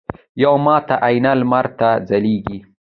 یوه ماته آینه لمر ته ځلیږي